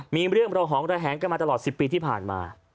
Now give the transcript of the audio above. มีเรื่องระหองระแหงกันมาตลอด๑๐ปีที่ผ่านมา